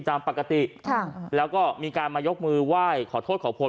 ตามปกติค่ะแล้วก็มีการมายกมือไหว้ขอโทษขอโพย